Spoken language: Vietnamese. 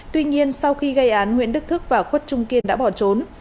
tuy nhiên sau khi gây án nguyễn đức thức và khuất trung kiên đã bỏ trốn